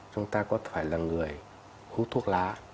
chúng ta có phải là người hút thuốc lá